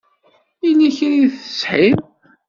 Yella kra i teshiḍ?